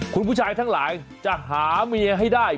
คุณผู้ชายทั้งหลายจะหาเมียให้ได้